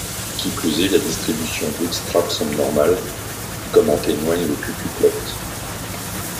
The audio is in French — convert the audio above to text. Qui plus est, la distribution bootstrap semble normale, comme en témoigne le qq-plot.